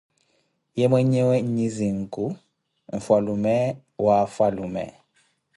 Ye, mweenyewe nyi zinku mfwalume wa afwalume.